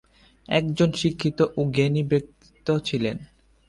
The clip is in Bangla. একজন শিক্ষিত ও জ্ঞানী ব্যক্তিত্ব ছিলেন।